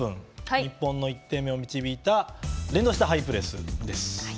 日本の１点目を導いた連動したハイプレスです。